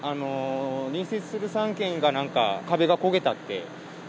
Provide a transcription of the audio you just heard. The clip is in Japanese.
隣接する３軒がなんか、壁が焦げたって。